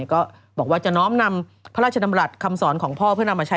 ก็บอกว่าจะน้อมนำพระราชดำรัฐคำสอนของพ่อเพื่อนำมาใช้